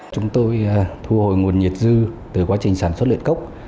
chúng tôi thu hồi nguồn nhiệt dư từ quá trình sản xuất luyện cốc